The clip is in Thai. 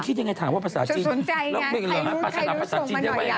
กินยังไงถามว่าภาษาจีนปลาฉลามภาษาจีนเรียกอะไรอย่างนี้